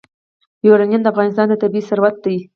یورانیم د افغانستان طبعي ثروت دی.